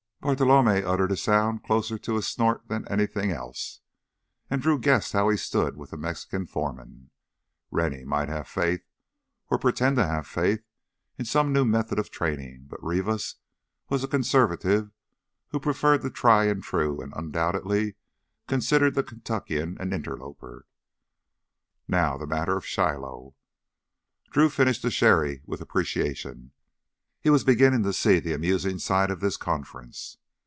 Bartolomé uttered a sound closer to a snort than anything else. And Drew guessed how he stood with the Mexican foreman. Rennie might have faith, or pretend to have faith, in some new method of training, but Rivas was a conservative who preferred the tried and true and undoubtedly considered the Kentuckian an interloper. "Now, the matter of Shiloh..." Drew finished the sherry with appreciation. He was beginning to see the amusing side of this conference.